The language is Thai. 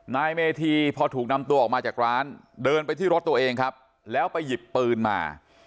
นายเมธีพอถูกนำตัวออกมาจากร้านเดินไปที่รถตัวเองครับแล้วไปหยิบปืนมา